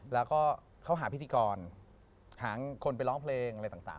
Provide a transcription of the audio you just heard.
แล้วก็เขาหาพิธีกรหาคนไปร้องเพลงอะไรต่าง